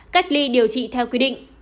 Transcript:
cách ly điều trị theo quy định